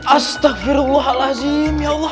astagfirullahaladzim ya allah